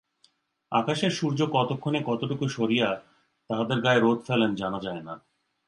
আকাশের সূর্য কতক্ষণে কতটুকু সরিয়া তাহদের গায়ে রোদ ফেলেন জানা যায় না।